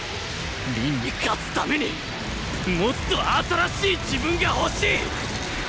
凛に勝つためにもっと新しい自分が欲しい！